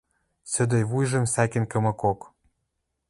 Сӧдӧй вуйжым сӓкен кымыкок.